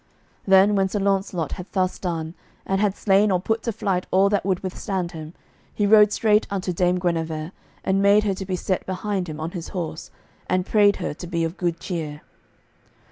Then when Sir Launcelot had thus done, and had slain or put to flight all that would withstand him, he rode straight unto Dame Guenever, and made her to be set behind him on his horse, and prayed her to be of good cheer.